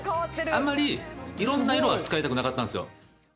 あんまりいろんな色は使いたくなかったんですよ。